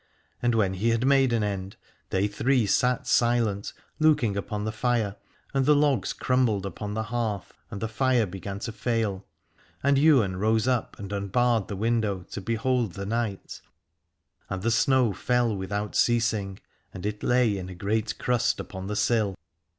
And when he had made an end they three sat silent, looking upon the fire ; and the logs crumbled upon the hearth and the fire began to fail. And Ywain rose up and unbarred the window to behold the night : and the snow fell without ceasing, and it lay in a great crust upon the sill.